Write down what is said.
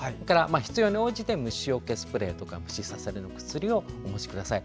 必要に応じて虫よけスプレー虫刺されの薬をお持ちください。